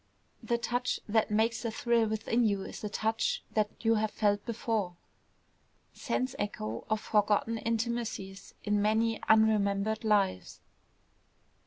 the touch that makes a thrill within you is a touch that you have felt before, sense echo of forgotten intimacies in many unremembered lives!